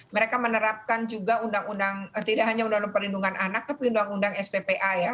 mereka menerapkan juga undang undang tidak hanya undang undang perlindungan anak tapi undang undang sppa ya